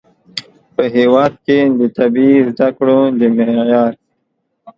په هیواد کې د طبي زده کړو د معیار